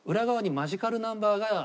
マジカルナンバー？